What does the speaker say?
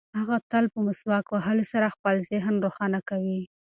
هغه تل په مسواک وهلو سره خپل ذهن روښانه کوي.